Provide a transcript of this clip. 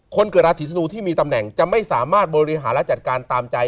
เกิดราศีธนูที่มีตำแหน่งจะไม่สามารถบริหารและจัดการตามใจ